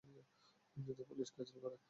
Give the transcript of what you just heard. যদি পুলিশ ক্যাঁচাল করে?